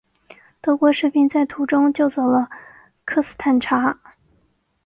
德军士兵在途中救走了科斯坦察。